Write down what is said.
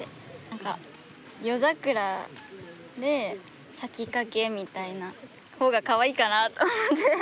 何か夜桜で咲きかけみたいな方がかわいいかなと思ってそうしました。